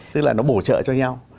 tức là nó bổ trợ cho nhau